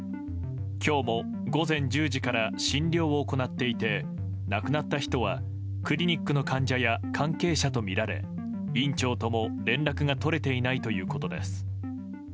今日も午前１０時から診療を行っていて亡くなった人はクリニックの患者や関係者とみられ院長とも連絡が取れていないということです。